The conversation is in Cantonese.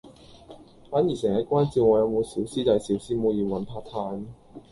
反而成日關照我有冇小師弟小師妹要搵 Part Time